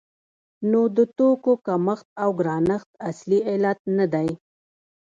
نو د توکو کمښت د ګرانښت اصلي علت نه دی.